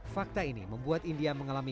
fakta ini membuat india mengalami